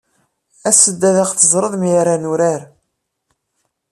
As-d ad aɣ-teẓreḍ mi ara nurar.